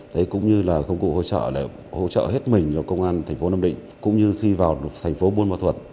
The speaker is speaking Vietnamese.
đấy cũng như là công cụ hỗ trợ hết mình cho công an thành phố nam định cũng như khi vào thành phố buôn bà thuật